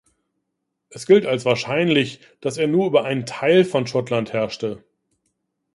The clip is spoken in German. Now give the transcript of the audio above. Es gilt als wahrscheinlich, dass er nur über einen Teil von Schottland herrschte.